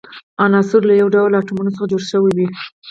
عنصر له یو ډول اتومونو څخه جوړ شوی وي.